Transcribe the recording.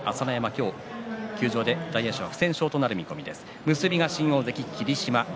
今日、休場で大栄翔は不戦勝となる見込みです。